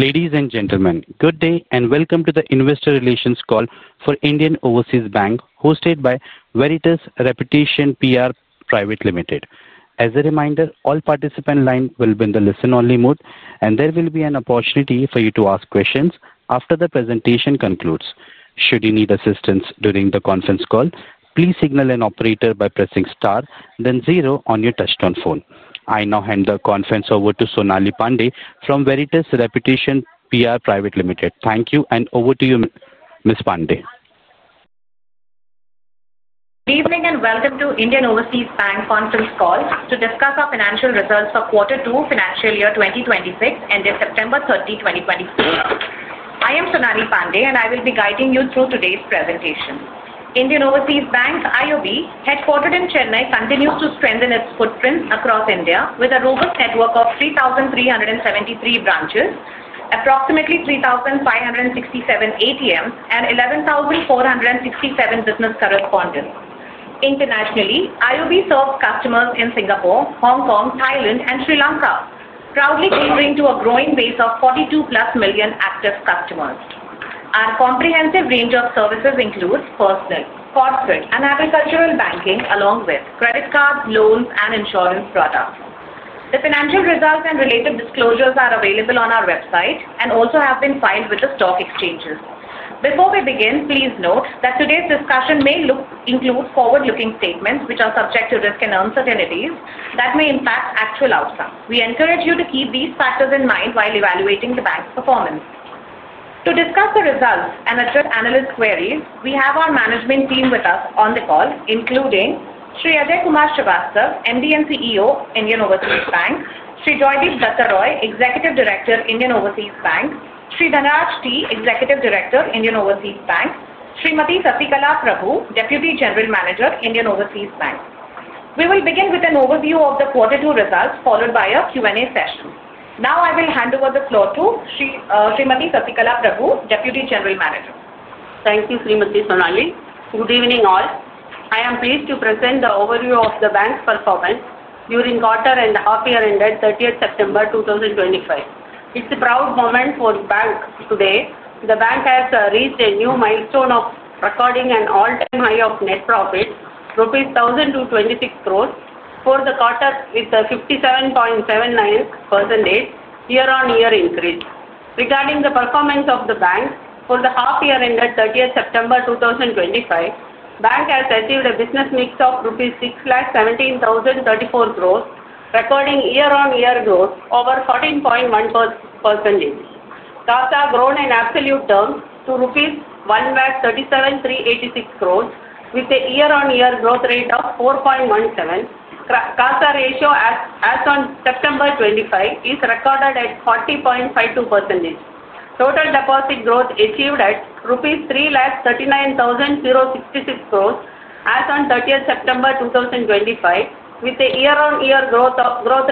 Ladies and gentlemen, good day and welcome to the investor relations call for Indian Overseas Bank, hosted by Veritas Reputation PR Private Limited. As a reminder, all participant lines will be in the listen-only mode, and there will be an opportunity for you to ask questions after the presentation concludes. Should you need assistance during the conference call, please signal an operator by pressing star, then zero on your touch-tone phone. I now hand the conference over to Sonali Pandey from Veritas Reputation PR Private Limited. Thank you, and over to you, Ms. Pandey. Good evening and welcome to the Indian Overseas Bank conference call to discuss our financial results for Quarter Two, Financial Year 2026, ending September 30, 2025. I am Sonali Pandey, and I will be guiding you through today's presentation. Indian Overseas Bank, IOB, headquartered in Chennai, continues to strengthen its footprint across India with a robust network of 3,373 branches, approximately 3,567 ATMs, and 11,467 business correspondents. Internationally, IOB serves customers in Singapore, Hong Kong, Thailand, and Sri Lanka, proudly catering to a growing base of 42+ million active customers. Our comprehensive range of services includes personal banking, corporate banking, and agricultural banking, along with credit cards, loans, and insurance products. The financial results and related disclosures are available on our website and also have been filed with the stock exchanges. Before we begin, please note that today's discussion may include forward-looking statements, which are subject to risk and uncertainties that may impact actual outcomes. We encourage you to keep these factors in mind while evaluating the bank's performance. To discuss the results and address analyst queries, we have our management team with us on the call, including Ajay Kumar Srivastava, Managing Director and CEO, Indian Overseas Bank; Joydeep Dutta Roy, Executive Director, Indian Overseas Bank; Dhanaraj T., Executive Director, Indian Overseas Bank; Srimathi Sathikalaprabhu, Deputy General Manager, Indian Overseas Bank. We will begin with an overview of the Quarter 2 results, followed by a Q&A session. Now, I will hand over the floor to Srimathi Sathikalaprabhu, Deputy General Manager. Thank you, Srimathi Sathikalaprabhu. Good evening all. I am pleased to present the overview of the bank's performance during the quarter and half year ended 30th September 2025. It's a proud moment for the bank today. The bank has reached a new milestone of recording an all-time high of net profits, rupees 1,226 crores. For the quarter, it's a 57.79% year-on-year increase. Regarding the performance of the bank for the half year ended 30th September 2025, the bank has achieved a business mix of 6,17,034 crores rupees, recording year-on-year growth over 14.1%. CASA grown in absolute terms to rupees 1,37,386 crores, with a year-on-year growth rate of 4.17%. CASA ratio as on September 2025 is recorded at 40.52%. Total deposit growth achieved at rupees 3,39,066 crores as on 30th September 2025, with a year-on-year growth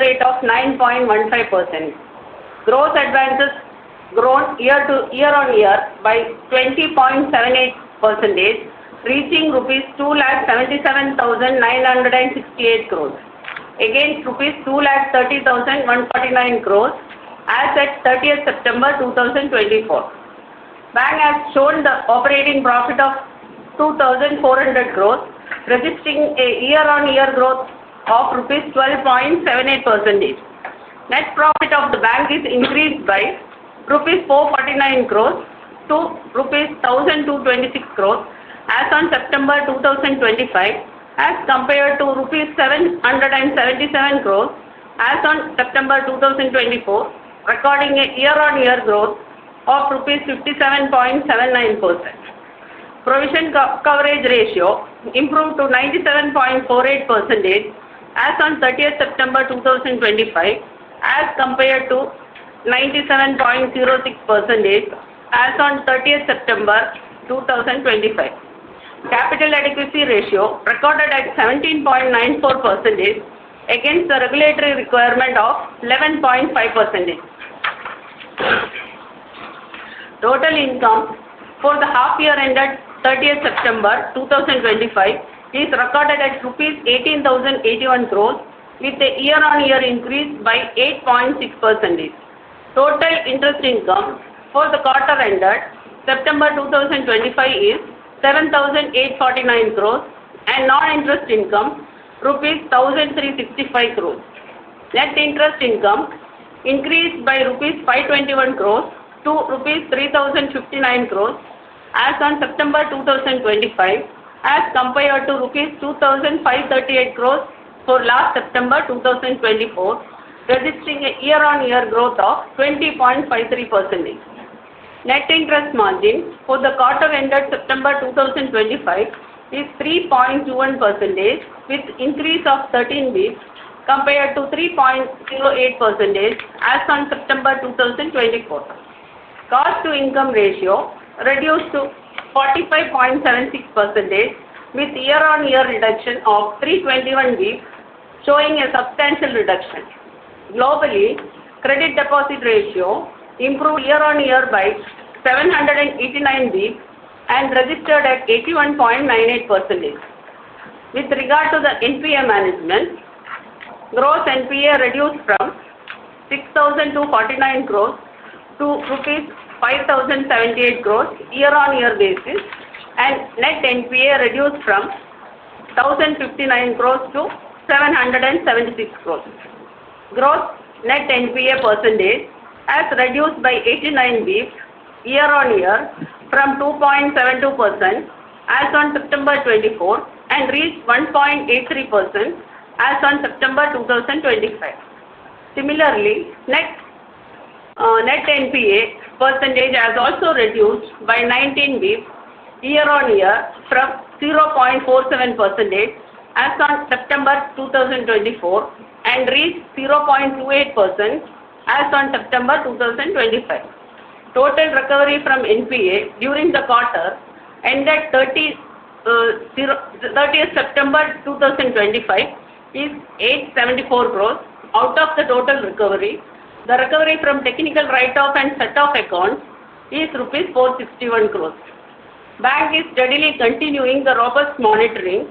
rate of 9.15%. Growth advances grown year-on-year by 20.78%, reaching rupees 2,77,968 crores, against rupees 2,30,149 crores as at 30th September 2024. The bank has shown the operating profit of 2,400 crores, registering a year-on-year growth of 12.78%. Net profit of the bank is increased by rupees 449 crores to rupees 1,226 crores as on September 2025, as compared to rupees 777 crores as on September 2024, recording a year-on-year growth of 57.79%. Provision coverage ratio improved to 97.48% as on 30th September 2025, as compared to 97.06% as on 30th September 2024. Capital adequacy ratio recorded at 17.94% against the regulatory requirement of 11.5%. Total income for the half year ended 30th September 2025 is recorded at rupees 18,081 crores, with a year-on-year increase by 8.6%. Total interest income for the quarter ended September 2025 is 7,849 crores, and non-interest income rupees 1,365 crores. Net interest income increased by rupees 521 crores to rupees 3,059 crores as on September 2025, as compared to rupees 2,538 crores for last September 2024, registering a year-on-year growth of 20.53%. Net interest margin for the quarter ended September 2025 is 3.21%, with an increase of 13 basis points compared to 3.08% as on September 2024. Cost-to-income ratio reduced to 45.76%, with a year-on-year reduction of 321 basis points, showing a substantial reduction. Globally, credit deposit ratio improved year-on-year by 789 basis points and registered at 81.98%. With regard to the NPA management, gross NPA reduced from 6,249 crores to INR 5,078 crores year-on-year basis, and net NPA reduced from 1,059 crores to 776 crores. Gross net NPA percentage has reduced by 89 basis points year-on-year from 2.72% as on September 2024 and reached 1.83% as on September 2025. Similarly, net NPA percentage has also reduced by 19 basis points year-on-year from 0.47% as on September 2024 and reached 0.28% as on September 2025. Total recovery from NPA during the quarter ended 30th September 2025 is 874 crore. Out of the total recovery, the recovery from technical write-off and set-off accounts is rupees 461 crore. The bank is steadily continuing the robust monitoring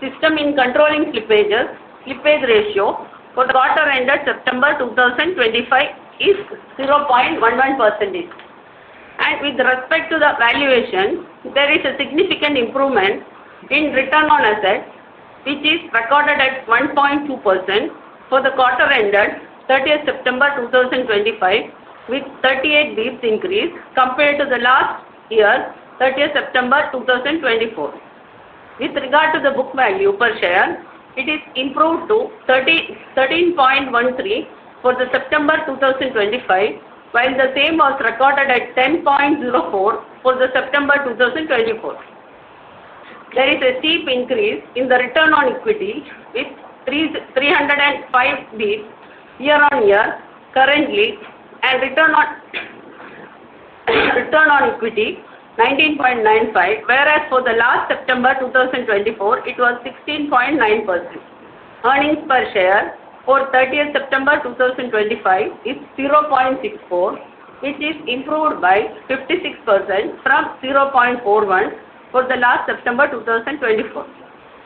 system in controlling slippages. Slippage ratio for the quarter ended September 2025 is 0.11%. With respect to the valuation, there is a significant improvement in return on assets, which is recorded at 1.2% for the quarter ended 30th September 2025, with 38 basis points increase compared to the last year's 30th September 2024. With regard to the book value per share, it is improved to 13.13 for September 2025, while the same was recorded at 10.04 for September 2024. There is a steep increase in the return on equity, with 305 basis points year-on-year currently, and return on equity 19.95%, whereas for the last September 2024, it was 16.9%. Earnings per share for 30th September 2025 is 0.64, which is improved by 56% from 0.41 for the last September 2024.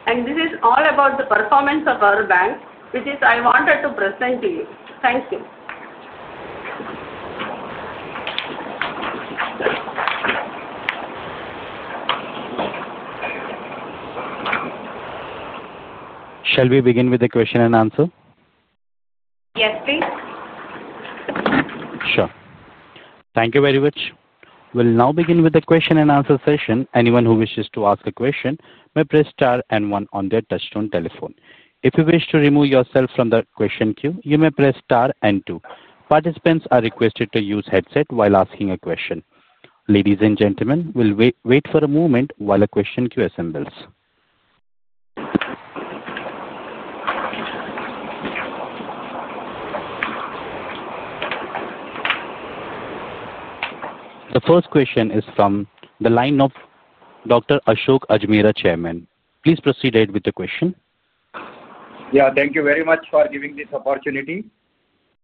This is all about the performance of our bank, which is I wanted to present to you. Thank you. Shall we begin with the question and answer? Yes, please. Sure. Thank you very much. We'll now begin with the question and answer session. Anyone who wishes to ask a question may press star and one on their touch-tone telephone. If you wish to remove yourself from the question queue, you may press star and two. Participants are requested to use headsets while asking a question. Ladies and gentlemen, we'll wait for a moment while the question queue assembles. The first question is from the line of Dr. Ashok Ajmera, Chairman. Please proceed ahead with the question. Thank you very much for giving this opportunity.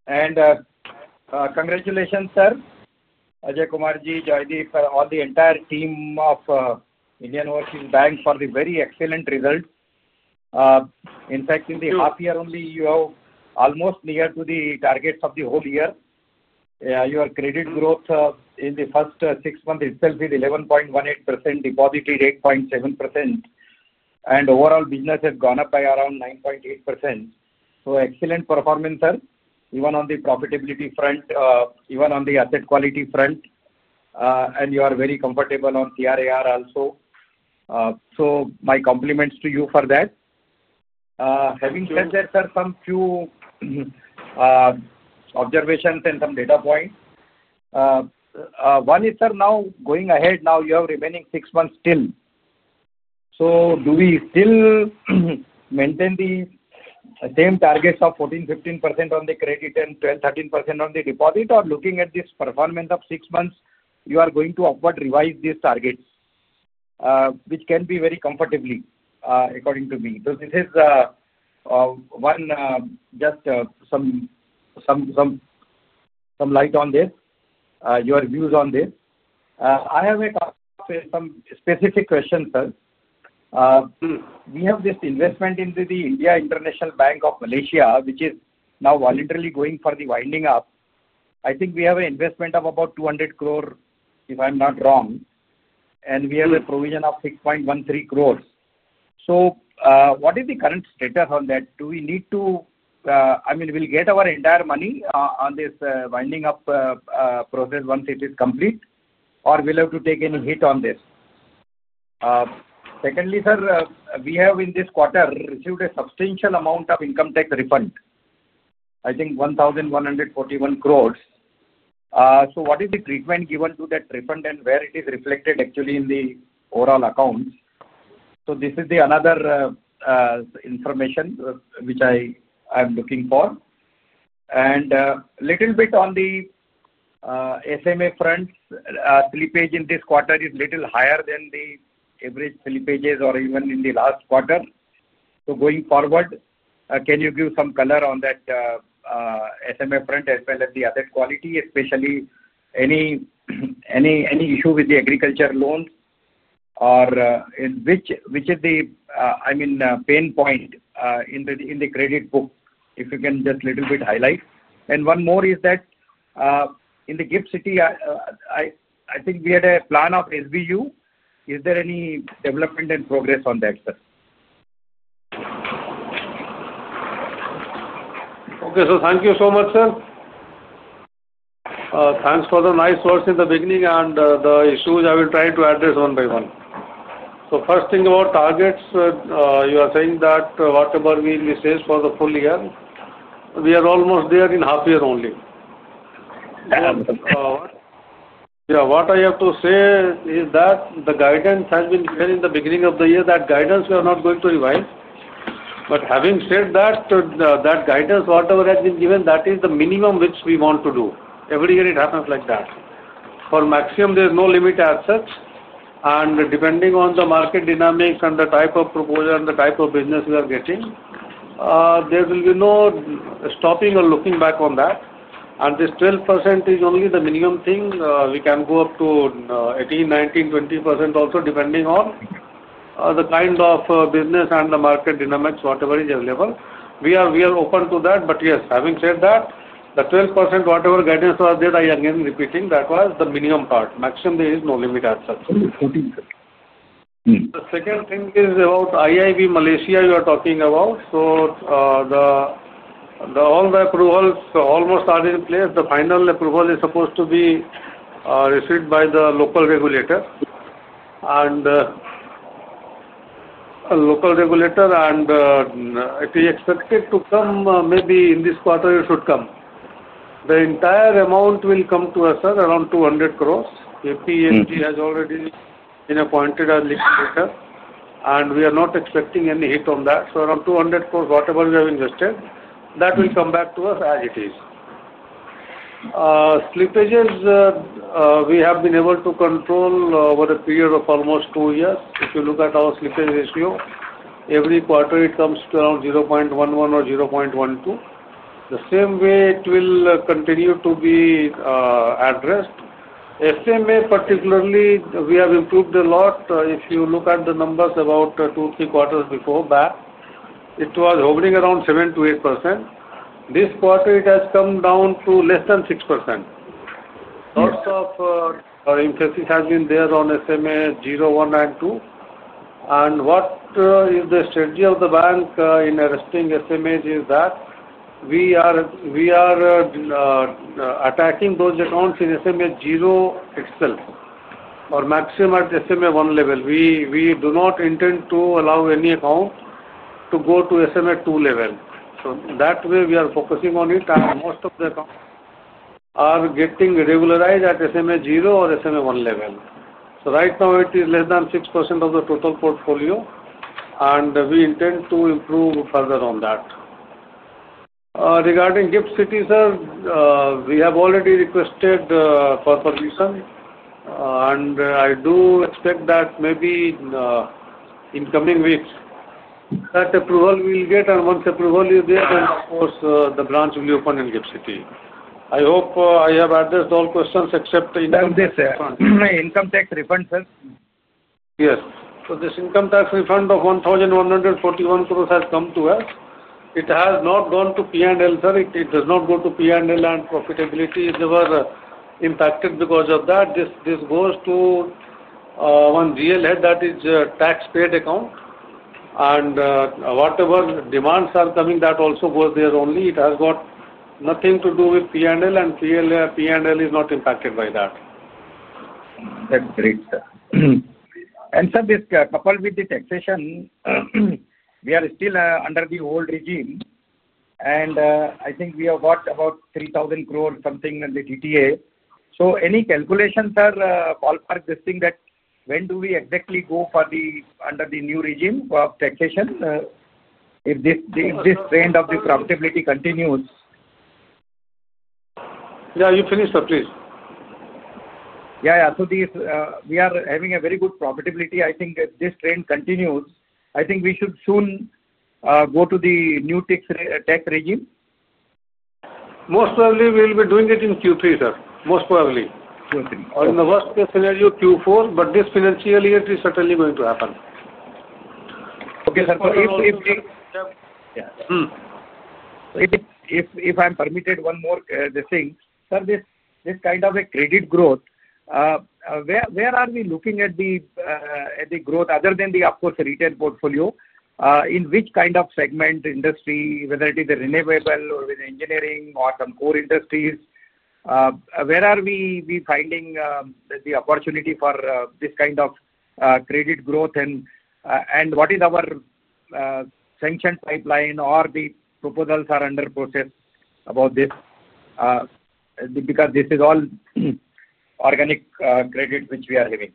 Congratulations, sir, Ajay Kumar, Joydeep, and the entire team of Indian Overseas Bank for the very excellent result. In fact, in the half year only, you are almost near to the targets of the whole year. Your credit growth in the first six months itself is 11.18%, deposit rate 8.7%, and overall business has gone up by around 9.8%. Excellent performance, sir, even on the profitability front, even on the asset quality front. You are very comfortable on CRAR also. My compliments to you for that. Having said that, sir, a few observations and some data points. One is, sir, now going ahead, you have remaining six months still. Do we still maintain the same targets of 14%, 15% on the credit and 12%, 13% on the deposit, or looking at this performance of six months, are you going to upward revise these targets, which can be very comfortable, according to me? This is one, just some light on this, your views on this. I have a couple of specific questions, sir. We have this investment in the India International Bank (Malaysia), which is now voluntarily going for the winding up. I think we have an investment of about 200 crore, if I'm not wrong, and we have a provision of 6.13 crore. What is the current status on that? Will we get our entire money on this winding up process once it is complete, or will we have to take any hit on this? Secondly, sir, we have in this quarter received a substantial amount of income tax refund, I think 1,141 crore. What is the treatment given to that refund and where is it reflected actually in the overall accounts? This is the other information which I am looking for. A little bit on the SMA front, slippage in this quarter is a little higher than the average slippages or even in the last quarter. Going forward, can you give some color on that SMA front as well as the asset quality, especially any issue with the agriculture loans? Which is the pain point in the credit book, if you can just highlight a little bit? One more is that in the GIFT City, I think we had a plan of SBU. Is there any development in progress on that, sir? Okay, so thank you so much, sir. Thanks for the nice words in the beginning and the issues I will try to address one by one. First thing about targets, you are saying that whatever we say is for the full year. We are almost there in half year only. What I have to say is that the guidance has been clear in the beginning of the year that guidance we are not going to revise. Having said that, that guidance, whatever has been given, that is the minimum which we want to do. Every year it happens like that. For maximum, there is no limit as such. Depending on the market dynamics and the type of proposal and the type of business we are getting, there will be no stopping or looking back on that. This 12% is only the minimum thing. We can go up to 18%, 19%, 20% also depending on the kind of business and the market dynamics, whatever is available. We are open to that. Yes, having said that, the 12%, whatever guidance was there, I am again repeating that was the minimum part. Maximum, there is no limit as such. The second thing is about IIB (Malaysia), you are talking about. All the approvals almost are in place. The final approval is supposed to be received by the local regulator, and it is expected to come maybe in this quarter, it should come. The entire amount will come to us, sir, around 200 crore. UPMG has already been appointed as a legal leader. We are not expecting any hit on that. Around 200 crore, whatever we have invested, that will come back to us as it is. Slippages, we have been able to control over a period of almost two years. If you look at our slippage ratio, every quarter it comes to around 0.11 or 0.12. The same way it will continue to be addressed. SMA, particularly, we have improved a lot. If you look at the numbers about two or three quarters before back, it was hovering around 7%-8%. This quarter, it has come down to less than 6%. Lots of emphasis has been there on SMA-0, 1, 9, 2. What is the strategy of the bank in arresting SMAs is that we are attacking those accounts in SMA-0 itself or maximum at SMA-1 level. We do not intend to allow any account to go to SMA-2 level. That way, we are focusing on it. Most of the accounts are getting regularized at SMA 0 or SMA 1 level. Right now, it is less than 6% of the total portfolio. We intend to improve further on that. Regarding GIFT City, sir, we have already requested for permission. I do expect that maybe in the coming weeks that approval we'll get. Once approval is there, of course, the branch will open in GIFT City. I hope I have addressed all questions except the income tax. Income tax refund, sir? Yes. This income tax refund of 1,141 crore has come to us. It has not gone to P&L, sir. It does not go to P&L and profitability. They were impacted because of that. This goes to one GL head, that is a tax paid account. Whatever demands are coming, that also goes there only. It has got nothing to do with P&L. P&L is not impacted by that. That's great, sir. This coupled with the taxation, we are still under the old regime. I think we have got about 3,000 crore or something in the DTA. Any calculations, sir, ballpark this thing, when do we exactly go for the new regime of taxation if this trend of the profitability continues? Yeah, you finish, sir, please. We are having a very good profitability. I think if this trend continues, I think we should soon go to the new tax regime? Most probably, we'll be doing it in Q3, sir. Most probably. Q3. In the worst-case scenario, Q4, this financial year is certainly going to happen. Okay, sir. If I'm permitted one more thing, sir, this kind of a credit growth, where are we looking at the growth other than the, of course, retail portfolio? In which kind of segment industry, whether it is renewable or with engineering or some core industries, where are we finding the opportunity for this kind of credit growth? What is our sanction pipeline or the proposals are under process about this because this is all organic credit which we are having?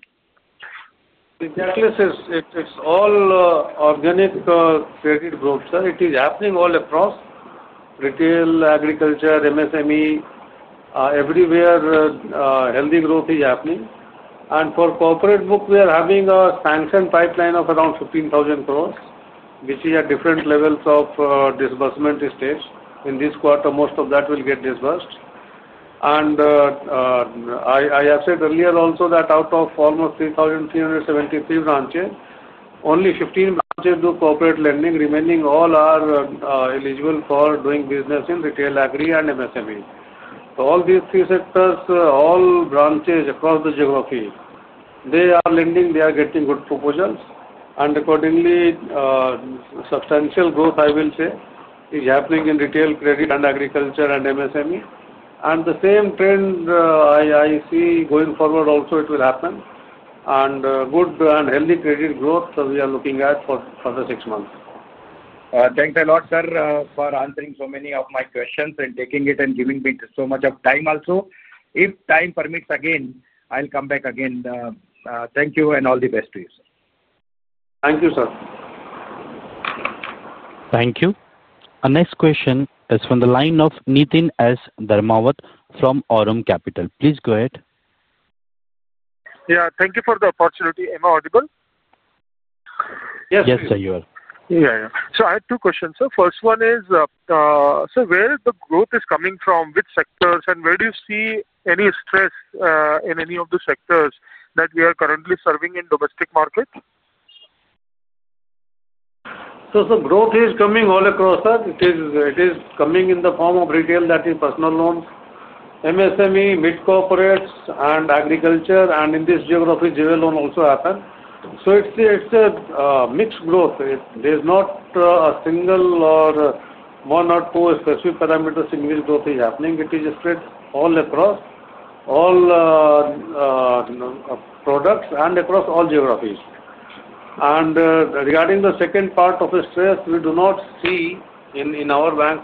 Exactly, sir. It's all organic credit growth, sir. It is happening all across retail, agriculture, MSME. Everywhere, healthy growth is happening. For corporate book, we are having a sanction pipeline of around 15,000 crore, which is at different levels of disbursement stage. In this quarter, most of that will get disbursed. I have said earlier also that out of almost 3,373 branches, only 15 branches do corporate lending. Remaining, all are eligible for doing business in retail, agri, and MSME. All these three sectors, all branches across the geography, they are lending. They are getting good proposals. Accordingly, substantial growth, I will say, is happening in retail credit and agriculture and MSME. The same trend I see going forward also, it will happen. Good and healthy credit growth we are looking at for the six months. Thanks a lot, sir, for answering so many of my questions and giving me so much of time also. If time permits, again, I'll come back again. Thank you and all the best to you, sir. Thank you, sir. Thank you. Our next question is from the line of Niteen S. Dharmawat from Aurum Capital. Please go ahead. Thank you for the opportunity. Am I audible? Yes. Yes, sir, you are. Yeah, yeah. I have two questions, sir. First one is, sir, where the growth is coming from, which sectors, and where do you see any stress in any of the sectors that we are currently serving in the domestic market? Some growth is coming all across, sir. It is coming in the form of retail, that is personal loans, MSME, mid-corporates, and agriculture. In this geography, jewel loan also happens. It's a mixed growth. There's not a single or one or two specific parameters in which growth is happening. It is spread all across all products and across all geographies. Regarding the second part of the stress, we do not see in our bank,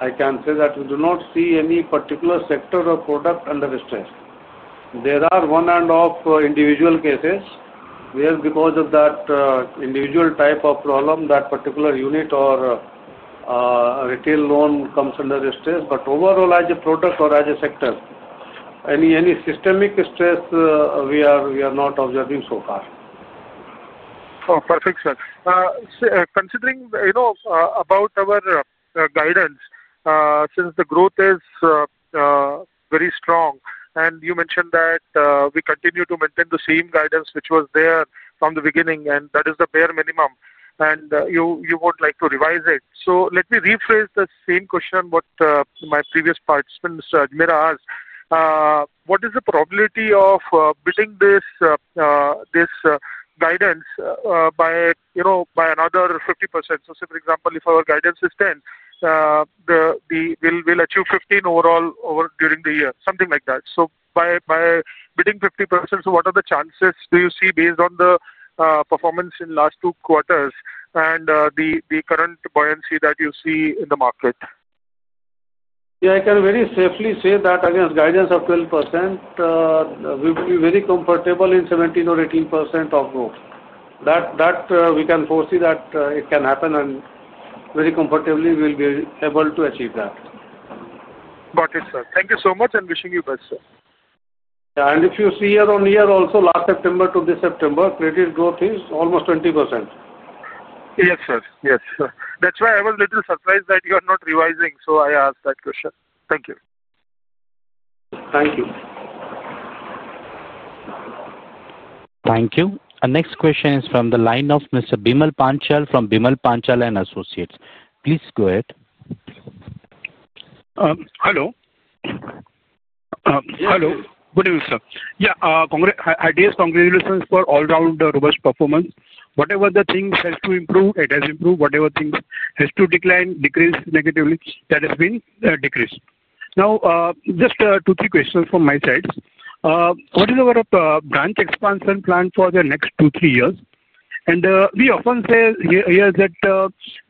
I can say that we do not see any particular sector or product under stress. There are one and off individual cases where, because of that individual type of problem, that particular unit or retail loan comes under stress. Overall, as a product or as a sector, any systemic stress we are not observing so far. Oh, perfect, sir. Considering about our guidance, since the growth is very strong, and you mentioned that we continue to maintain the same guidance which was there from the beginning, and that is the bare minimum, and you would like to revise it. Let me rephrase the same question what my previous participant, Mr. Ajmera, asked. What is the probability of bidding this guidance by another 50%? For example, if our guidance is 10%, we'll achieve 15% overall during the year, something like that. By bidding 50%, what are the chances do you see based on the performance in the last two quarters and the current buoyancy that you see in the market? Yeah. I can very safely say that against guidance of 12%, we'll be very comfortable in 17% or 18% of growth. That we can foresee that it can happen, and very comfortably, we'll be able to achieve that. Got it, sir. Thank you so much, and wishing you best, sir. Yeah. If you see year-on-year also, last September to this September, credit growth is almost 20%. Yes, sir. Yes, sir. That's why I was a little surprised that you are not revising, so I asked that question. Thank you. Thank you. Thank you. Our next question is from the line of Mr. Bimal Panchal from Bimal Panchal and Associates. Please go ahead. Hello. Good evening, sir. Yeah, ideas, congratulations for all-round robust performance. Whatever the things have to improve, it has improved. Whatever things have to decline, decrease negatively, that has been decreased. Now, just two, three questions from my side. What is our branch expansion plan for the next two, three years? We often say here that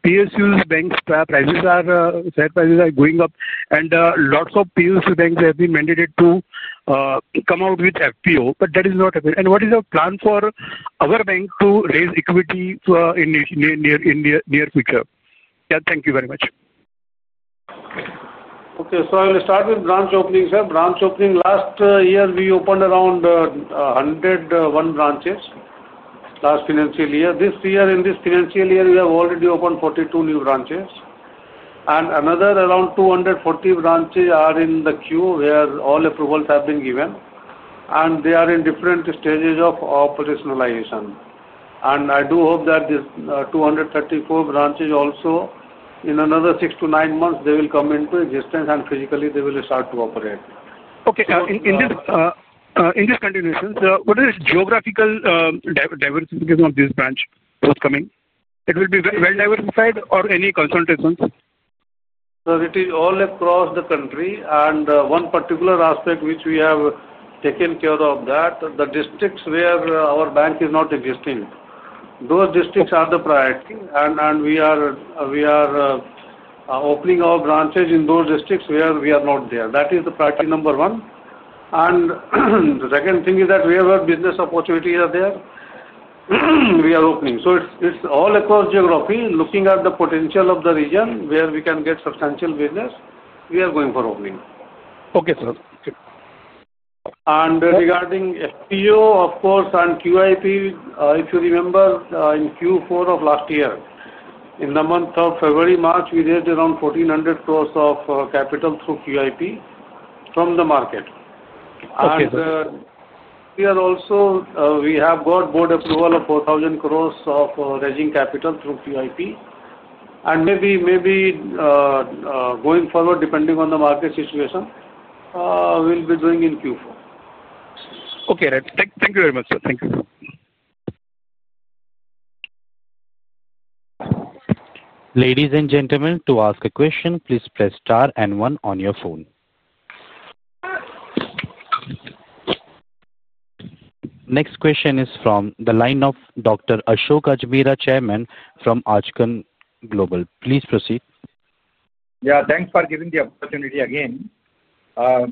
PSU banks' share prices are going up, and lots of PSU banks have been mandated to come out with FPO, but that is not happening. What is your plan for our bank to raise equity in the near future? Yeah, thank you very much. Okay, I will start with branch opening, sir. Branch opening, last year, we opened around 101 branches last financial year. This year, in this financial year, we have already opened 42 new branches. Another around 240 branches are in the queue where all approvals have been given. They are in different stages of operationalization. I do hope that these 234 branches also, in another six to nine months, will come into existence, and physically, they will start to operate. Okay. In this continuation, sir, what is the geographical diversification of this branch forthcoming? It will be well diversified or any concentrations? It is all across the country. One particular aspect which we have taken care of is that the districts where our bank is not existing, those districts are the priority. We are opening our branches in those districts where we are not there. That is the priority number one. The second thing is that wherever business opportunities are there, we are opening. It is all across geography. Looking at the potential of the region where we can get substantial business, we are going for opening. Okay, sir. Regarding FPO, of course, and QIP, if you remember, in Q4 of last year, in the month of February, March, we raised around 1,400 crore of capital through QIP from the market. We have got board approval of 4,000 crore of raising capital through QIP. Maybe going forward, depending on the market situation, we'll be doing in Q4. Okay, right. Thank you very much, sir. Thank you. Ladies and gentlemen, to ask a question, please press star and one on your phone. Next question is from the line of Dr. Ashok Ajmera, Chairman from Ajkan Global. Please proceed. Yeah, thanks for giving the opportunity again. I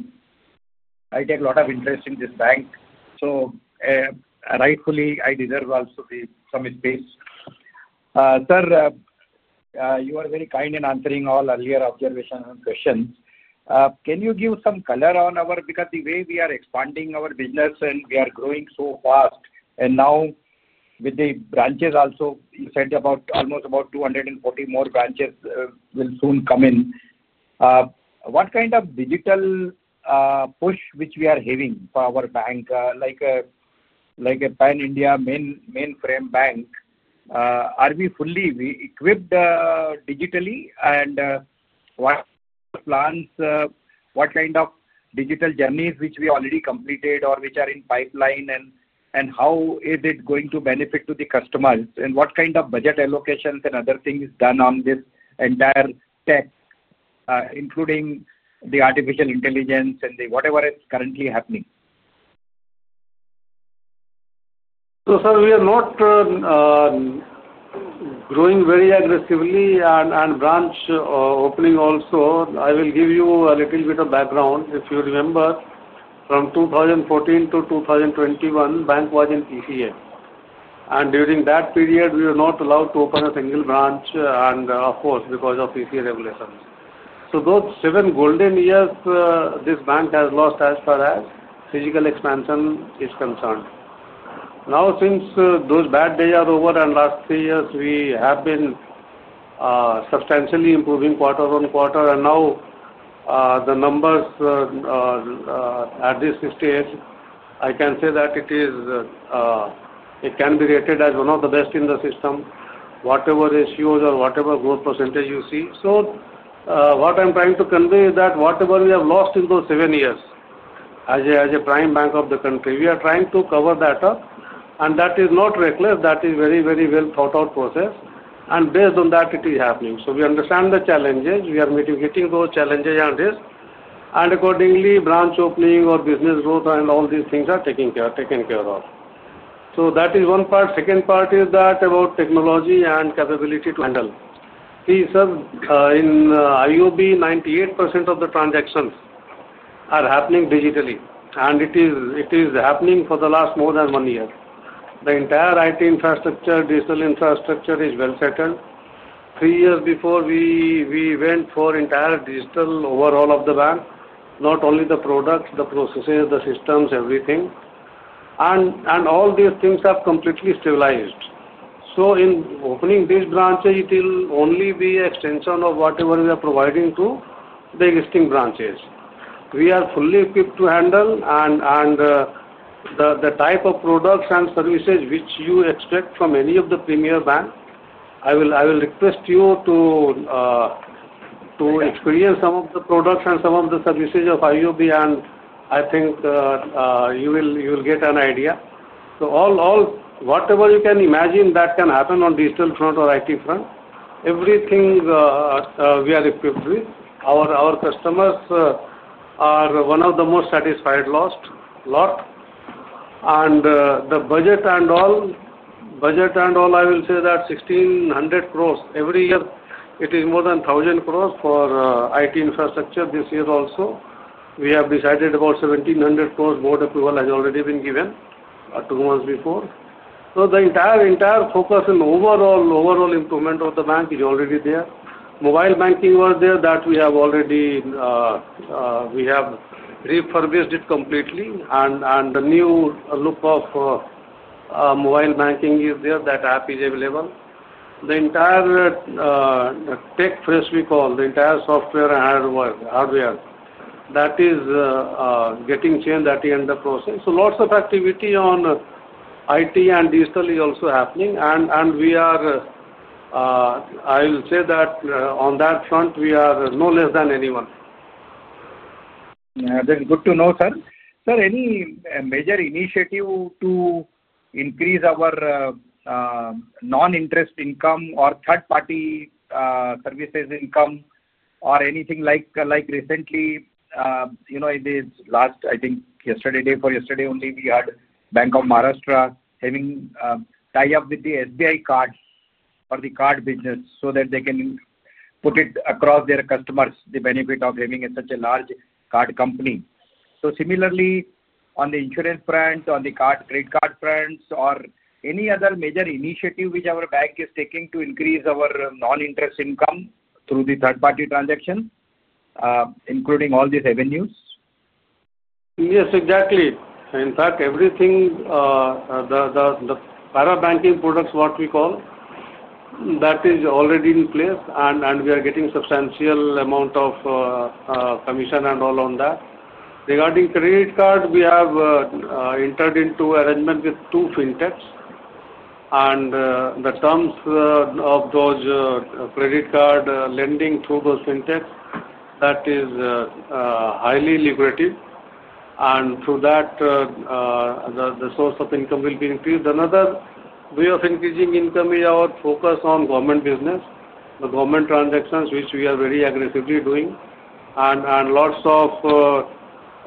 take a lot of interest in this bank. I deserve also some space. Sir, you are very kind in answering all earlier observations and questions. Can you give some color on our, because the way we are expanding our business and we are growing so fast, and now with the branches also, you said about almost about 240 more branches will soon come in. What kind of digital push which we are having for our bank, like a Pan-India mainframe bank? Are we fully equipped digitally? What plans, what kind of digital journeys which we already completed or which are in pipeline, and how is it going to benefit the customers? What kind of budget allocations and other things done on this entire tech, including the artificial intelligence and whatever is currently happening? Sir, we are not growing very aggressively and branch opening also. I will give you a little bit of background. If you remember, from 2014 to 2021, the bank was in PCA. During that period, we were not allowed to open a single branch, of course, because of PCA regulations. Those seven golden years, this bank has lost as far as physical expansion is concerned. Now, since those bad days are over and the last three years, we have been substantially improving quarter on quarter. Now the numbers at this stage, I can say that it can be rated as one of the best in the system, whatever issues or whatever growth % you see. What I'm trying to convey is that whatever we have lost in those seven years as a prime bank of the country, we are trying to cover that up. That is not reckless. That is a very, very well thought-out process. Based on that, it is happening. We understand the challenges. We are mitigating those challenges and risks. Accordingly, branch opening or business growth and all these things are taken care of. That is one part. The second part is about technology and capability to handle. Sir, in IOB, 98% of the transactions are happening digitally. It is happening for the last more than one year. The entire IT infrastructure, digital infrastructure is well settled. Three years before, we went for entire digital overhaul of the bank, not only the products, the processes, the systems, everything. All these things have completely stabilized. In opening these branches, it will only be an extension of whatever we are providing to the existing branches. We are fully equipped to handle. The type of products and services which you expect from any of the premier banks, I will request you to experience some of the products and some of the services of IOB. I think you will get an idea. All whatever you can imagine that can happen on the digital front or IT front, everything we are equipped with. Our customers are one of the most satisfied last lot. The budget and all, and all I will say that 1,600 crore every year, it is more than 1,000 crore for IT infrastructure this year also. We have decided about 1,700 crore. Board approval has already been given two months before. The entire focus and overall improvement of the bank is already there. Mobile banking was there that we have already refurbished it completely. The new look of mobile banking is there. That app is available. The entire tech fresh, we call the entire software and hardware that is getting changed at the end of the process. Lots of activity on IT and digital is also happening. I will say that on that front, we are no less than anyone. That's good to know, sir. Sir, any major initiative to increase our non-interest income or third-party services income or anything like recently? In this last, I think yesterday or yesterday only, we had Bank of Maharashtra having tied up with the SBI card or the card business so that they can put it across their customers, the benefit of having such a large card company. Similarly, on the insurance front, on the credit card front, or any other major initiative which our bank is taking to increase our non-interest income through the third-party transaction, including all these avenues? Yes, exactly. In fact, everything, the parabanking products, what we call, that is already in place. We are getting a substantial amount of commission and all on that. Regarding credit cards, we have entered into arrangements with two fintechs. The terms of those credit card lending through those fintechs, that is highly lucrative. Through that, the source of income will be increased. Another way of increasing income is our focus on government business, the government transactions, which we are very aggressively doing. There are lots of,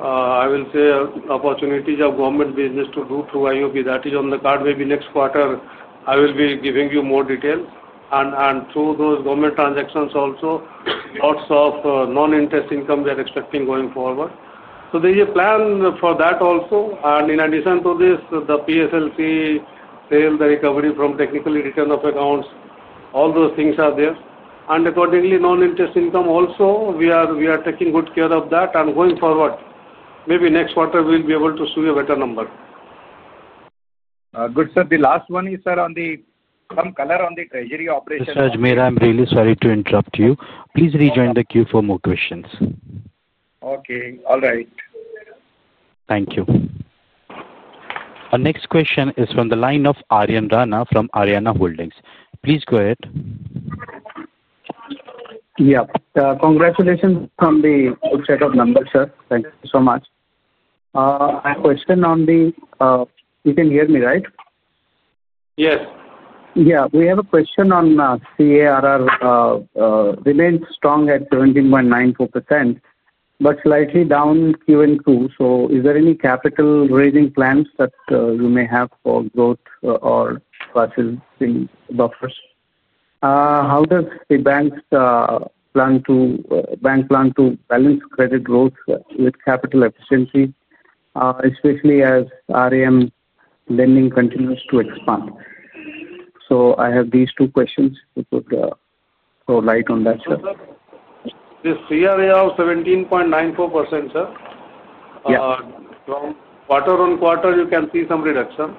I will say, opportunities of government business to do through IOB. That is on the card. Maybe next quarter, I will be giving you more details. Through those government transactions also, lots of non-interest income we are expecting going forward. There is a plan for that also. In addition to this, the PSLC sale, the recovery from technical return of accounts, all those things are there. Accordingly, non-interest income also, we are taking good care of that. Going forward, maybe next quarter, we'll be able to show you a better number. Good, sir. The last one is, sir, some color on the treasury operation. Mr. Ajmera, I'm really sorry to interrupt you. Please rejoin the queue for more questions. Okay, all right. Thank you. Our next question is from the line of Aryan Rana from Aaryana Holdings. Please go ahead. Yeah. Congratulations from the upset of numbers, sir. Thank you so much. A question on the, you can hear me, right? Yes. Yeah. We have a question on capital adequacy ratio remains strong at 17.94%, but slightly down Q2. Is there any capital raising plans that you may have for growth or budgeting buffers? How does the bank plan to balance credit growth with capital efficiency, especially as RAM lending continues to expand? I have these two questions which would throw light on that, sir. The CARR of 17.94%, sir. From quarter-on-quarter, you can see some reduction.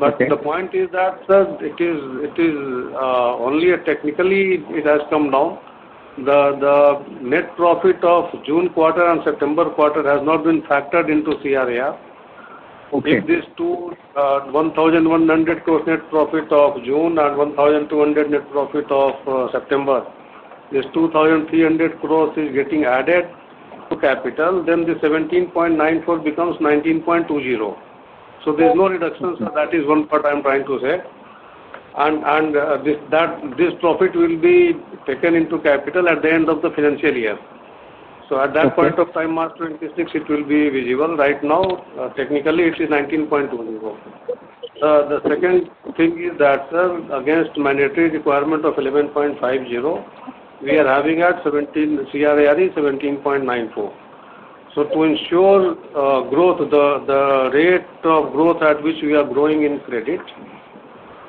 The point is that, sir, it is only a technically it has come down. The net profit of June quarter and September quarter has not been factored into CARR. With these two, 1,100 crores net profit of June and 1,200 crores net profit of September, this 2,300 crores is getting added to capital. The 17.94% becomes 19.20%. There's no reduction, sir. That is one part I'm trying to say. This profit will be taken into capital at the end of the financial year. At that point of time, March 2026, it will be visible. Right now, technically, it is 19.20%. The second thing is that, sir, against mandatory requirement of 11.50%, we are having at CARR is 17.94%. To ensure growth, the rate of growth at which we are growing in credit,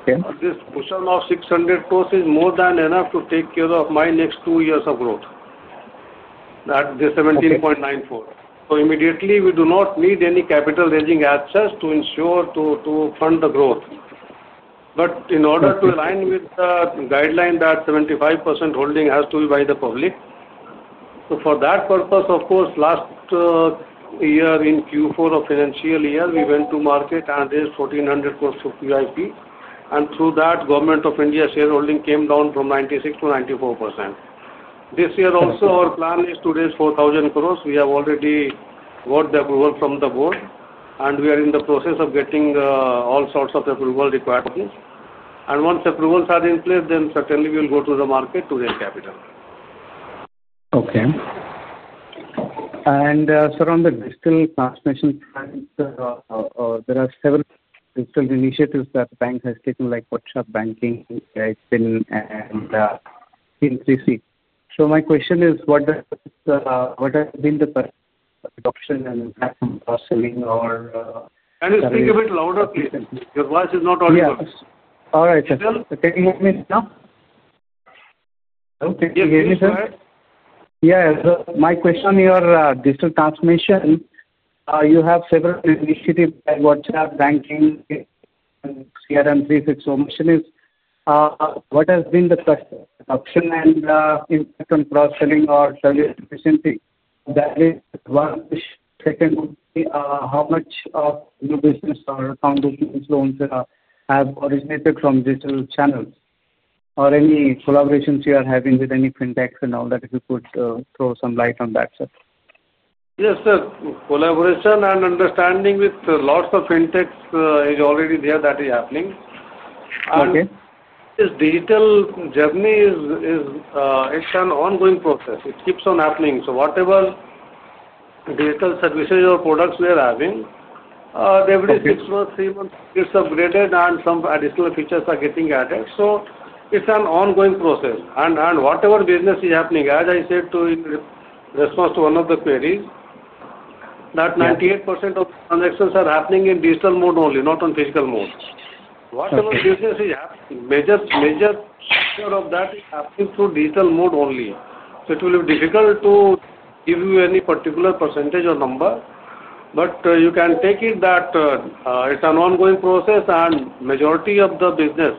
this cushion of 600 crores is more than enough to take care of my next two years of growth at the 17.94%. Immediately, we do not need any capital raising actions to ensure to fund the growth. In order to align with the guideline that 75% holding has to be by the public. For that purpose, of course, last year in Q4 of financial year, we went to market and raised 1,400 crores through QIP. Through that, the Government of India shareholding came down from 96% to 94%. This year also, our plan is to raise 4,000 crores. We have already got the approval from the board. We are in the process of getting all sorts of approval required. Once approvals are in place, then certainly we'll go to the market to raise capital. Okay. Sir, on the digital transformation plans, there are several digital initiatives that the bank has taken like WhatsApp banking, LinkedIn, and PNCC. My question is, what has been the adoption and impact from cross-selling or? Can you speak a bit louder, please? Your voice is not audible. All right, sir. Can you hear me now? Hello, can you hear me, sir? Yeah, my question on your digital transformation, you have several initiatives like WhatsApp banking, CRM 360, which is what has been the adoption and impact on cross-selling or service efficiency? That is one. Second, how much of your business or foundation's loans have originated from digital channels? Or any collaborations you are having with any fintechs and all that, if you could throw some light on that, sir? Yes, sir. Collaboration and understanding with lots of fintechs is already there that is happening. This digital journey is an ongoing process. It keeps on happening. Whatever digital services or products we are having, every six months, three months, it gets upgraded and some additional features are getting added. It's an ongoing process. Whatever business is happening, as I said in response to one of the queries, 98% of the transactions are happening in digital mode only, not on physical mode. Whatever business is happening, major of that is happening through digital mode only. It will be difficult to give you any particular percentage or number. You can take it that it's an ongoing process and the majority of the business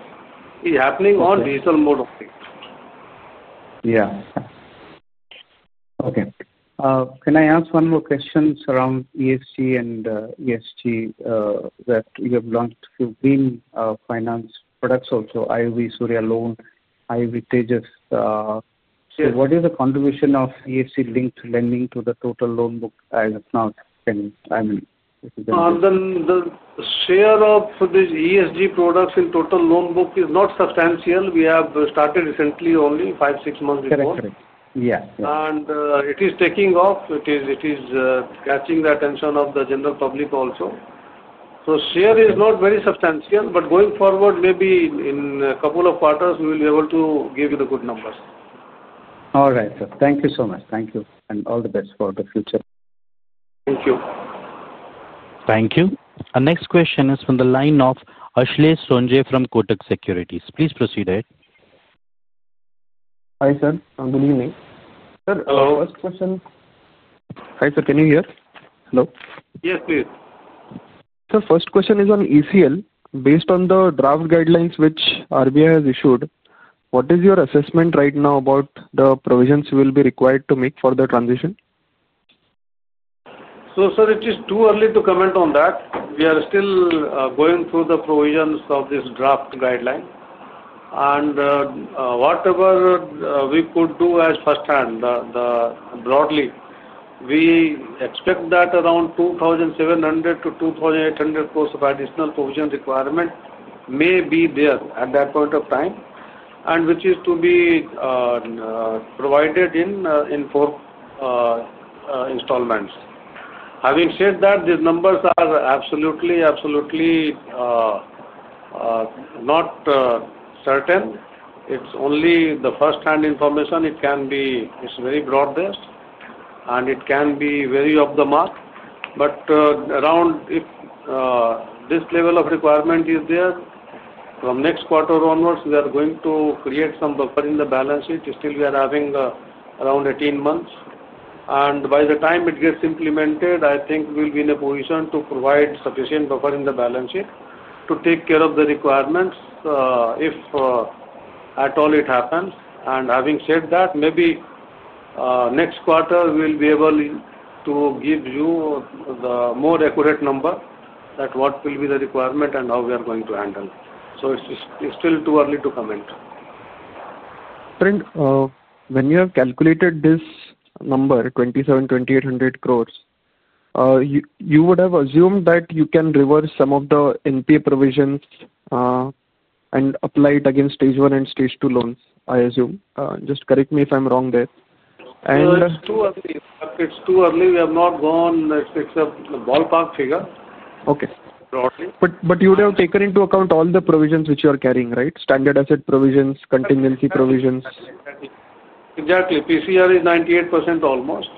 is happening on digital mode only. Yeah. Okay. Can I ask one more question around ESG and ESG that you have launched with green finance products also, IOB Surya Loan, IOB Tejas? Sure. What is the contribution of ESG-linked lending to the total loan book as of now? I mean, this is the. The share of these ESG-linked products in total loan book is not substantial. We have started recently only five, six months before. That's correct. Yeah. It is taking off. It is catching the attention of the general public also. The share is not very substantial. Going forward, maybe in a couple of quarters, we will be able to give you the good numbers. All right, sir. Thank you so much. Thank you and all the best for the future. Thank you. Thank you. Our next question is from the line of Ashlesh Sonje from Kotak Securities. Please proceed ahead. Hi, sir. I'm good evening. Sir, first question. Hi, sir. Can you hear me? Hello? Yes, please. Sir, first question is on ECL. Based on the draft guidelines which RBI has issued, what is your assessment right now about the provisions we will be required to make for the transition? It is too early to comment on that. We are still going through the provisions of this draft guideline. Whatever we could do as firsthand, broadly, we expect that around 2,700-2,800 crore of additional provision requirement may be there at that point of time, which is to be provided in four installments. Having said that, these numbers are absolutely, absolutely not certain. It's only the first-hand information. It can be, it's very broad-based. It can be very off the mark. If this level of requirement is there, from next quarter onwards, we are going to create some buffer in the balance sheet. Still, we are having around 18 months. By the time it gets implemented, I think we'll be in a position to provide sufficient buffer in the balance sheet to take care of the requirements if at all it happens. Having said that, maybe next quarter, we'll be able to give you the more accurate number that what will be the requirement and how we are going to handle. It's still too early to comment. Sir, when you have calculated this number, 2,700, 2,800 crores, you would have assumed that you can reverse some of the NPA provisions and apply it against stage one and stage two loans, I assume. Just correct me if I'm wrong there. It's too early. We have not gone except ballpark figure broadly. Okay. You would have taken into account all the provisions which you are carrying, right? Standard asset provisions, contingency provisions. Exactly. PCR is 98% almost.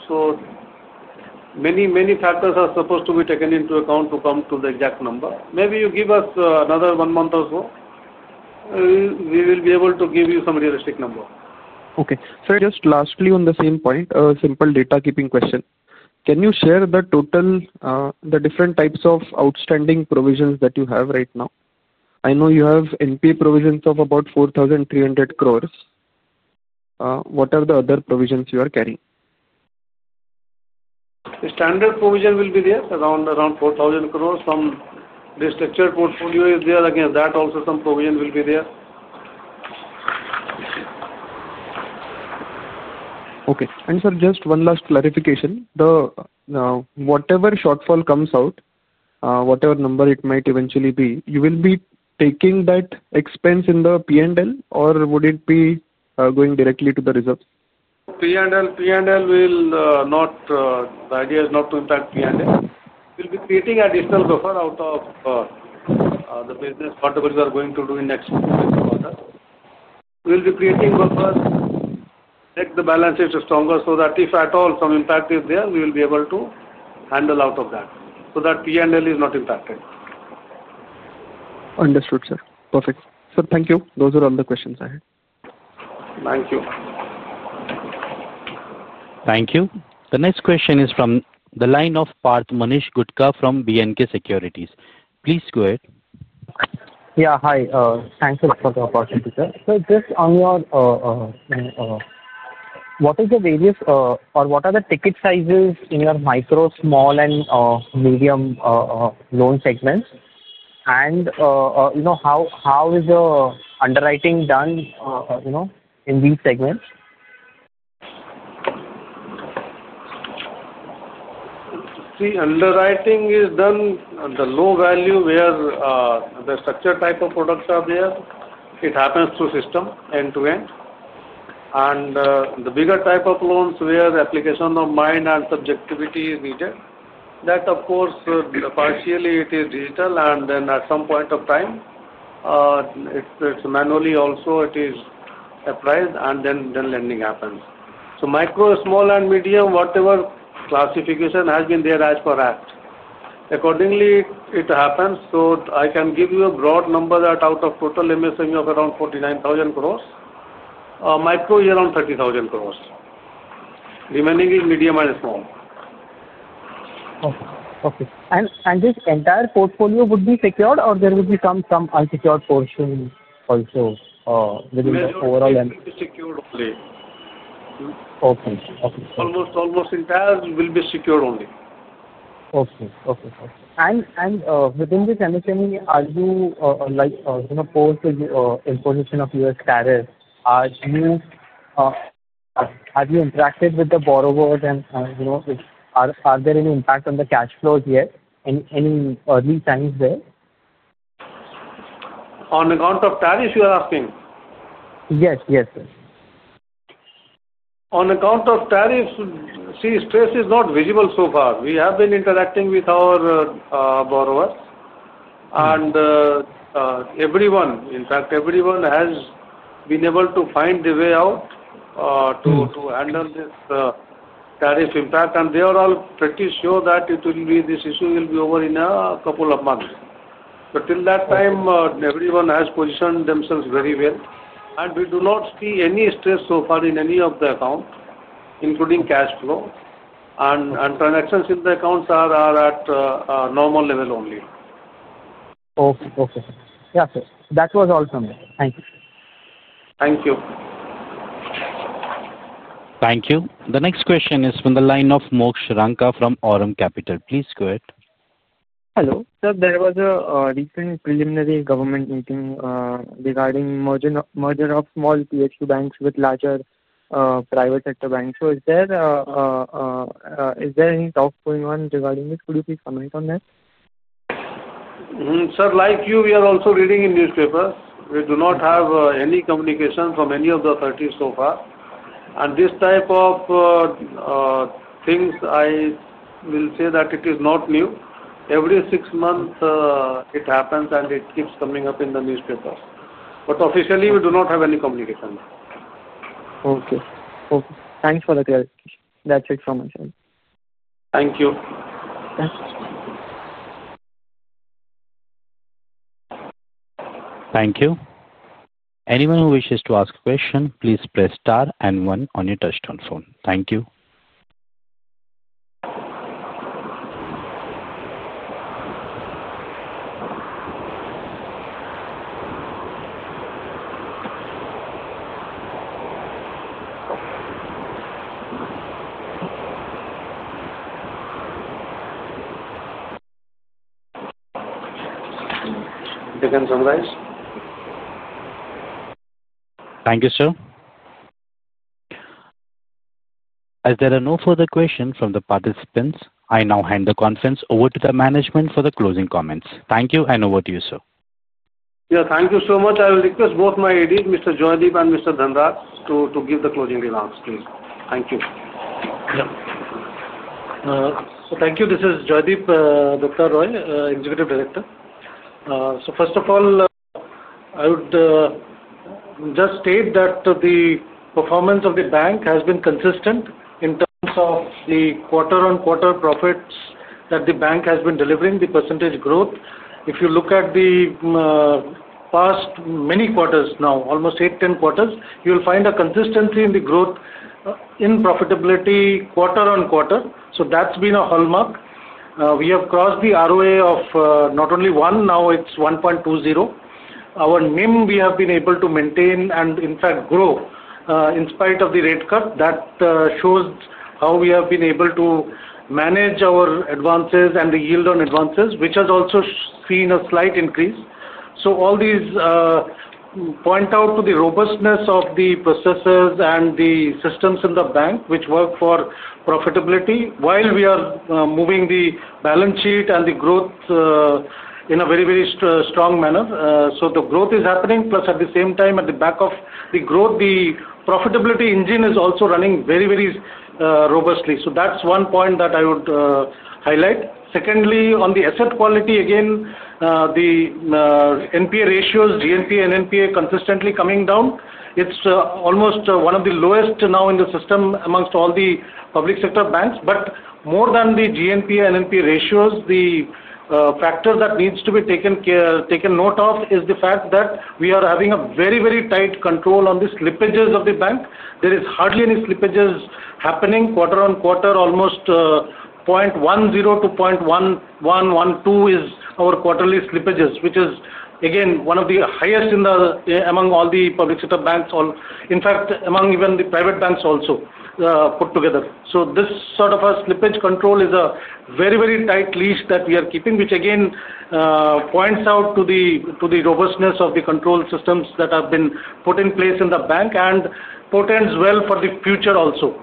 Many, many factors are supposed to be taken into account to come to the exact number. Maybe you give us another one month or so. We will be able to give you some realistic number. Okay. Sir, just lastly on the same point, a simple data keeping question. Can you share the total, the different types of outstanding provisions that you have right now? I know you have NPA provisions of about 4,300 crores. What are the other provisions you are carrying? The standard provision will be there, around 4,000 crores. Some restructured portfolio is there. Again, that also some provision will be there. Okay. Sir, just one last clarification. Now, whatever shortfall comes out, whatever number it might eventually be, you will be taking that expense in the P&L, or would it be going directly to the reserves? P&L will not, the idea is not to impact P&L. We'll be creating additional buffer out of the business, whatever you are going to do in the next two weeks or others. We'll be creating buffers to make the balance sheet stronger, so that if at all some impact is there, we will be able to handle out of that, so that P&L is not impacted. Understood, sir. Perfect. Sir, thank you. Those are all the questions I had. Thank you. Thank you. The next question is from the line of Parth manesh Gutka from BNK Securities. Please go ahead. Yeah, hi. Thank you for the opportunity, sir. Just on your, what is the various or what are the ticket sizes in your micro, small, and medium loan segments? You know, how is the underwriting done in these segments? Underwriting is done on the low value where the structure type of products are there. It happens through system end-to-end. The bigger type of loans where the application of mind and subjectivity is needed, of course, partially it is digital. At some point of time, it's manually also it is appraised, and then lending happens. Micro, small, and medium, whatever classification has been there as per act, accordingly, it happens. I can give you a broad number that out of total, let me say you have around 49,000 crores. Micro, you're on 30,000 crores. Remaining is medium and small. Okay. This entire portfolio would be secured or there would be some unsecured portion also within the overall? No, it will be secured only. Okay. Okay, sir. Almost entire will be secured only. Okay. Within this understanding, are you, like, in a post-imposition of U.S. tariffs? Have you interacted with the borrowers? Are there any impact on the cash flows yet? Any early signs there? On account of tariffs, you are asking? Yes, yes, sir. On account of tariffs, see, stress is not visible so far. We have been interacting with our borrowers, and everyone, in fact, everyone has been able to find the way out to handle this tariff impact. They are all pretty sure that this issue will be over in a couple of months. Till that time, everyone has positioned themselves very well. We do not see any stress so far in any of the accounts, including cash flow, and transactions in the accounts are at a normal level only. Okay. Okay. Yeah, sir, that was all from me. Thank you. Thank you. Thank you. The next question is from the line of Moksh Ranka from Aurum Capital. Please go ahead. Hello. Sir, there was a recent preliminary government meeting regarding merger of small PSU banks with larger private sector banks. Is there any talk going on regarding this? Could you please comment on that? Sir, like you, we are also reading in newspapers. We do not have any communication from any of the authorities so far. This type of things, I will say that it is not new. Every six months, it happens and it keeps coming up in the newspapers. Officially, we do not have any communication. Okay. Okay. Thanks for the clarification. That's it from myself. Thank you. Thanks. Thank you. Anyone who wishes to ask a question, please press star and one on your touch-tone phone. Thank you. You can summarize. Thank you, sir. If there are no further questions from the participants, I now hand the conference over to the management for the closing comments. Thank you and over to you, sir. Yeah, thank you so much. I will request both my EDs, Mr. Joydeep and Mr. Dhanaraj, to give the closing remarks, please. Thank you. Thank you. This is Joydeep Dutta Roy, Executive Director. First of all, I would just state that the performance of the bank has been consistent in terms of the quarter-on-quarter profits that the bank has been delivering, the percentage growth. If you look at the past many quarters now, almost eight, 10 quarters, you will find a consistency in the growth in profitability quarter-on-quarter. That's been a hallmark. We have crossed the ROA of not only 1, now it's 1.20. Our NIM, we have been able to maintain and, in fact, grow in spite of the rate cut. That shows how we have been able to manage our advances and the yield on advances, which has also seen a slight increase. All these point out to the robustness of the processes and the systems in the bank, which work for profitability while we are moving the balance sheet and the growth in a very, very strong manner. The growth is happening. Plus, at the same time, at the back of the growth, the profitability engine is also running very, very robustly. That's one point that I would highlight. Secondly, on the asset quality, again, the NPA ratios, GNPA and NPA are consistently coming down. It's almost one of the lowest now in the system amongst all the public sector banks. More than the GNPA and NPA ratios, the factor that needs to be taken note of is the fact that we are having a very, very tight control on the slippages of the bank. There are hardly any slippages happening. Quarter on quarter, almost 0.10-0.112 is our quarterly slippages, which is, again, one of the highest among all the public sector banks, in fact, among even the private banks also put together. This sort of a slippage control is a very, very tight leash that we are keeping, which, again, points out to the robustness of the control systems that have been put in place in the bank and bodes well for the future also.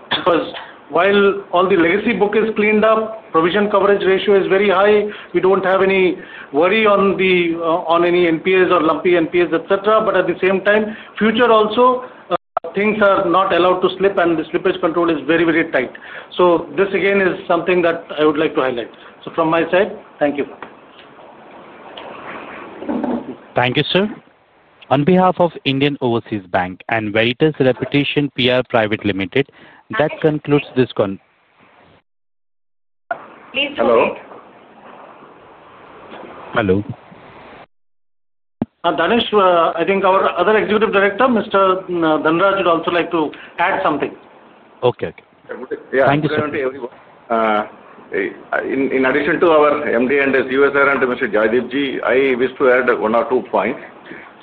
While all the legacy book is cleaned up, provision coverage ratio is very high, we don't have any worry on any NPAs or lumpy NPAs, etc. At the same time, future also, things are not allowed to slip, and the slippage control is very, very tight. This, again, is something that I would like to highlight. From my side, thank you. Thank you, sir. On behalf of Indian Overseas Bank and Veritas Reputation PR Private Limited, that concludes this conference. Please go ahead. Hello. Hello. Dhanaraj, I think our other Executive Director, Mr. Dhanaraj T., would also like to add something. Okay, okay. Thank you, sir. Thank you, sir. In addition to our MD and SUSR and to Mr. Joydeep Dutta Roy, I wish to add one or two points.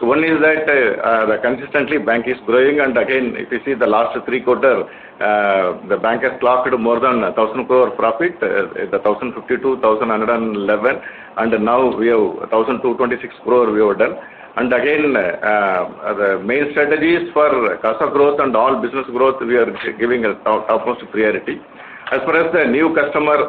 One is that consistently, the bank is growing. If you see the last three quarters, the bank has clocked more than 1,000 crore profit, 1,052, 1,111, and now we have 1,226 crore we have done. The main strategies for cash flow growth and all business growth, we are giving topmost priority. As far as the new customer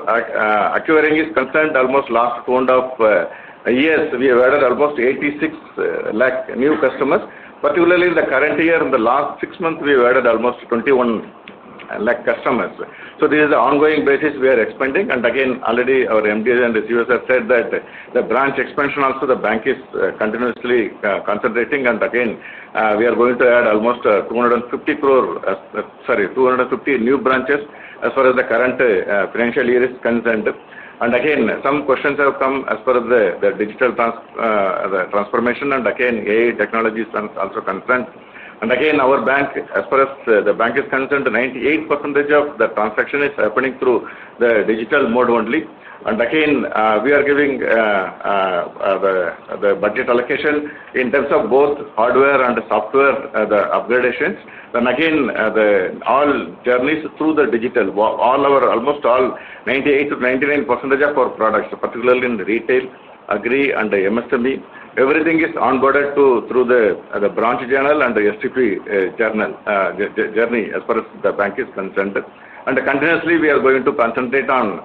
acquiring is concerned, almost the last two and a half years, we have added almost 8.6 million new customers. Particularly in the current year, in the last six months, we have added almost 2.1 million customers. This is the ongoing basis we are expanding. Already our MD and SUSR said that the branch expansion also the bank is continuously concentrating. We are going to add almost 250 new branches as far as the current financial year is concerned. Some questions have come as far as the digital transformation and AI technologies are also concerned. Our bank, as far as the bank is concerned, 98% of the transaction is happening through the digital mode only. We are giving the budget allocation in terms of both hardware and software upgradations. All journeys through the digital, almost all 98%-99% of our products, particularly in retail, agricultural banking, and MSME, everything is onboarded through the branch journal and the STP journey as far as the bank is concerned. We are going to concentrate on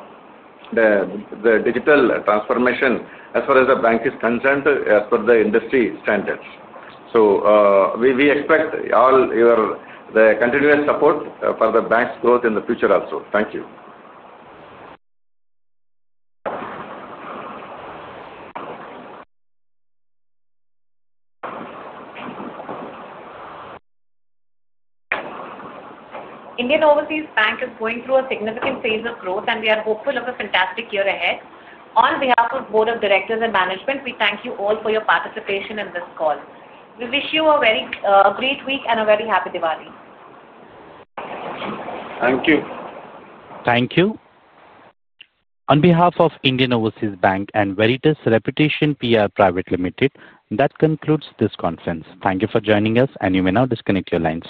the digital transformation as far as the bank is concerned as per the industry standards. We expect all your continuous support for the bank's growth in the future also. Thank you. Indian Overseas Bank is going through a significant phase of growth, and we are hopeful of a fantastic year ahead. On behalf of the Board of Directors and Management, we thank you all for your participation in this call. We wish you a very great week and a very happy Diwali. Thank you. Thank you. On behalf of Indian Overseas Bank and Veritas Reputation PR Private Limited, that concludes this conference. Thank you for joining us, and you may now disconnect your lines.